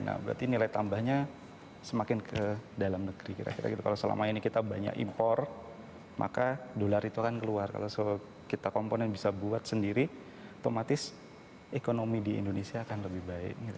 nah berarti nilai tambahnya semakin ke dalam negeri kira kira gitu kalau selama ini kita banyak impor maka dolar itu akan keluar kalau kita komponen bisa buat sendiri otomatis ekonomi di indonesia akan lebih baik